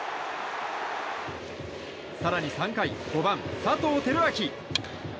更に３回、５番、佐藤輝明。